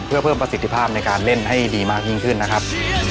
เพื่อเพิ่มประสิทธิภาพในการเล่นให้ดีมากยิ่งขึ้นนะครับ